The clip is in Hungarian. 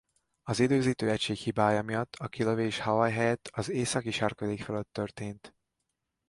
Az időzítő egység hibája miatt a kilövés Hawaii helyett az északi sarkvidék fölött történt.